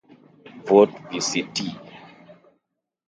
Vote (pct)